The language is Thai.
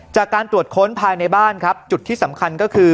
จากการตรวจค้นภายในบ้านครับจุดที่สำคัญก็คือ